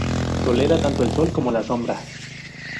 Tolera tanto el sol como la sombra.